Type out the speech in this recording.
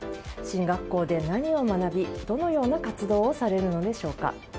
進学校で何を学び、どのような活動をされるのでしょうか。